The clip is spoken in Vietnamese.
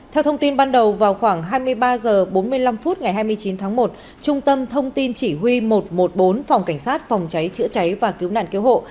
theo thông tin ban đầu vào khoảng hai mươi ba h bốn mươi năm phút ngày hai mươi chín tháng một trung tâm thông tin chỉ huy một trăm một mươi bốn phòng cảnh sát phòng cháy chữa cháy và cứu nạn cứu hộ